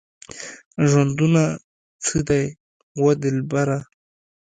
ژوندونه څه دی وه دلبره؟